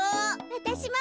わたしも。